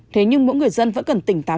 thế nhưng mỗi người dân vẫn cần tỉnh táo